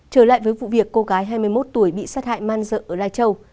trở lại với vụ việc cô gái hai mươi một tuổi bị sát hại man dợ ở lai châu